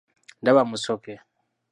Ndaba Musoke.